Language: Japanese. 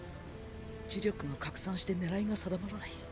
呪力が拡散して狙いが定まらない。